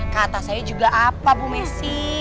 kata saya juga apa bu messi